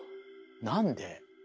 なんで？